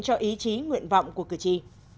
cho ý chí nguyện vọng của cử tri